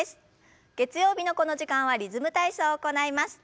月曜日のこの時間はリズム体操を行います。